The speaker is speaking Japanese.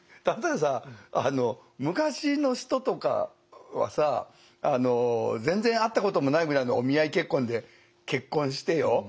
例えばさ昔の人とかはさ全然会ったこともないぐらいのお見合い結婚で結婚してよ